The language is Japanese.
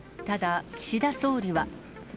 ただ岸田総理は。